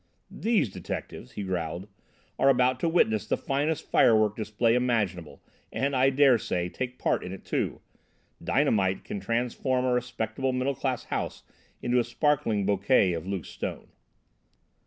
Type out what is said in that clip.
"These detectives," he growled, "are about to witness the finest firework display imaginable and, I dare say, take part in it, too. Dynamite can transform a respectable middle class house into a sparkling bouquet of loose stone!"